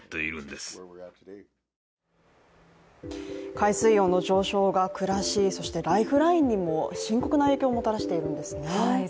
海水温の上昇が、暮らしそしてライフラインにも深刻な影響をもたらしているんですね。